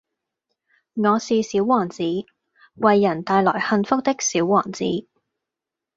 我是小王子，為人帶來幸福的小王子